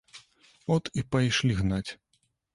От і пайшлі гнаць.